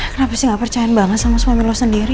kenapa sih gak percaya banget sama suamin lo sendiri